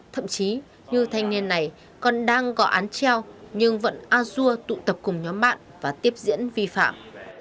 thậm chí như thanh niên này còn đang gọi án treo nhưng vẫn a dua tụ tập cùng nhóm bạn và tiếp diễn vi phạm